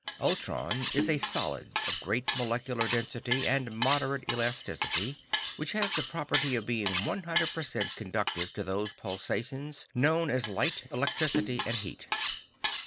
Ultron is a solid of great molecular density and moderate elasticity, which has the property of being 100 percent conductive to those pulsations known as light, electricity and heat.